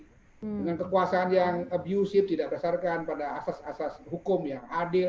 dengan kekuasaan yang abusive tidak berdasarkan pada asas asas hukum yang adil